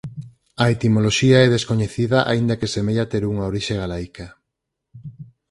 A etimoloxía é descoñecida aínda que semella ter unha orixe galaica.